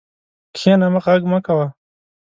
کښېنه، غږ مه کوه.